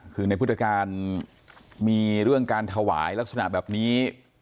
คือในพุทธการมีเรื่องการถวายลักษณะแบบนี้